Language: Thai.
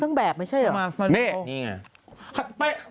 ให้ภาพอีกที